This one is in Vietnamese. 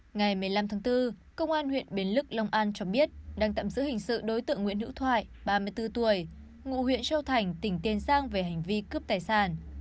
ngày một mươi năm tháng bốn công an huyện bến lức long an cho biết đang tạm giữ hình sự đối tượng nguyễn hữu thoại ba mươi bốn tuổi ngụ huyện châu thành tỉnh tiên giang về hành vi cướp tài sản